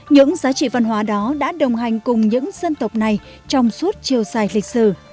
những giá trị văn hóa đó đã đồng hành cùng những dân tộc này trong suốt chiều dài lịch sử